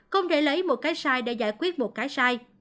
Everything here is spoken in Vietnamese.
không để lấy một cái sai để giải quyết một cái sai